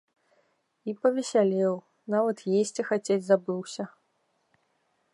І павесялеў, нават есці хацець забыўся.